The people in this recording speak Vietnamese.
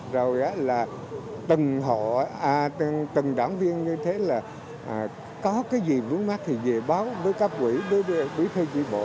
rồi là từng hộ từng đảng viên như thế là có cái gì vướng mắt thì về báo